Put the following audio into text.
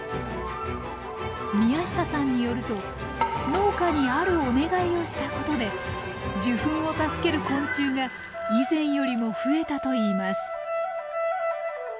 宮下さんによると農家にあるお願いをしたことで受粉を助ける昆虫が以前よりも増えたといいます。